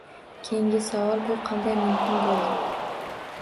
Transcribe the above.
Keyingi savol: bu qanday mumkin bo‘ldi?